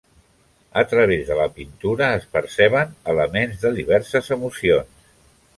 A través de la pintura es perceben elements de diverses emocions.